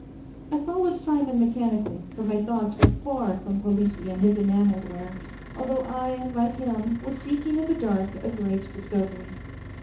I followed Simon mechanically; but my thoughts were far from Palissy and his enameled ware, although I, like him, was seeking in the dark a great discovery.